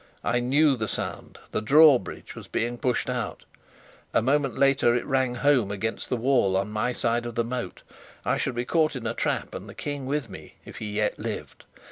I knew the sound: the drawbridge was being pushed out. A moment later it rang home against the wall on my side of the moat. I should be caught in a trap and the King with me, if he yet lived.